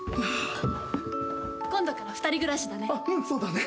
今度から二人暮らしだね。